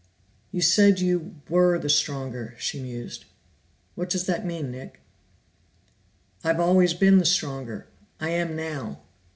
"You said you were the stronger," she mused. "What does that mean, Nick?" "I've always been the stronger; I am now.